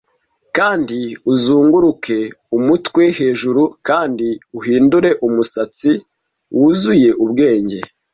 Kandi uzunguruke umutwe hejuru kandi uhindure umusatsi wuzuye ubwenge.